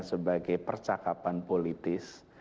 sebagai percakapan politis